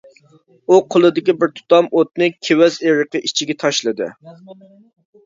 ئۇ قولىدىكى بىر تۇتام ئوتنى كېۋەز ئېرىقى ئىچىگە تاشلىدى.